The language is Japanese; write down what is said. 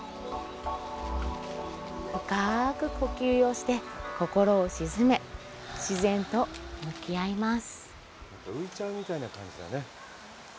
深く呼吸をして心を沈め、自然と向き合います。